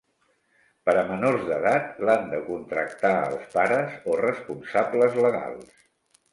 Per a menors d'edat, l'han de contractar els pares o responsables legals.